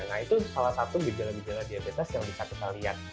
nah itu salah satu gejala gejala diabetes yang bisa kita lihat